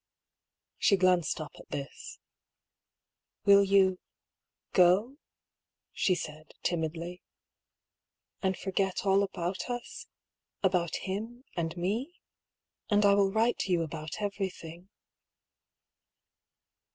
She glanced up, at this. "Will you— go?" she said, timidly. "And forget all about us — ^about him, and me? And I will write to you about everything."